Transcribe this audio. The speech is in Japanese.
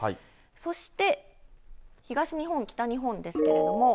そして東日本、北日本ですけれども。